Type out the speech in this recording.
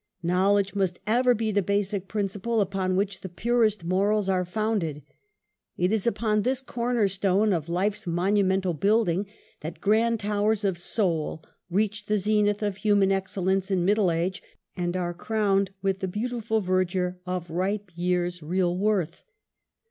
Knowledge must ever be the basic principle upon which the purest morals are founded. It is upon this corner stone of life's monumental building that grand towers of soul reach the zenith of human ex cellence in middle age, and are crowned with the beautiful verdure of ripe years' real worth.